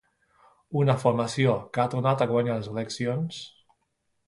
una formació que ha tornat a guanyar les eleccions